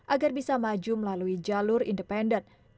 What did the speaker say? agar bisa maju melalui jalur independen